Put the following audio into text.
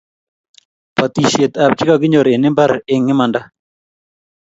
butishet ab chekakinyor eng' mbar eng' imanda